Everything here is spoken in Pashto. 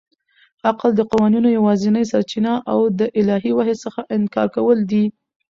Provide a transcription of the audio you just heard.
عقل د قوانینو یوازنۍ سرچینه او د الهي وحي څخه انکار کول دي.